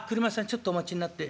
ちょっとお待ちになって。